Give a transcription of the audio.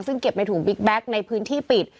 ซึ่งเก็บในถุงบิ๊กแก๊กในพื้นที่ปิด